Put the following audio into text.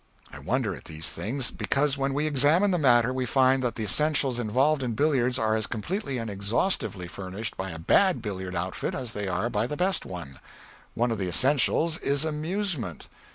I wonder at these things, because when we examine the matter we find that the essentials involved in billiards are as competently and exhaustively furnished by a bad billiard outfit as they are by the best one. One of the essentials is amusement.